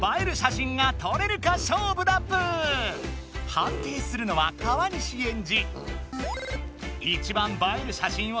判定するのは川西エンジ。